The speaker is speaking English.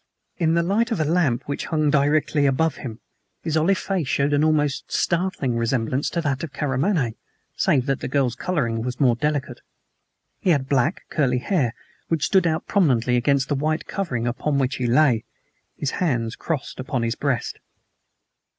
In the light of a lamp which hung directly above him, his olive face showed an almost startling resemblance to that of Karamaneh save that the girl's coloring was more delicate. He had black, curly hair, which stood out prominently against the white covering upon which he lay, his hands crossed upon his breast.